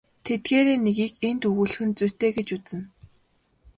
Тэдгээрийн нэгийг энд өгүүлэх нь зүйтэй гэж үзнэ.